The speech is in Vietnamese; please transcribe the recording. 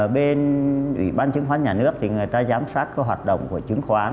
bên ủy ban chứng khoán nhà nước thì người ta giám sát cái hoạt động của chứng khoán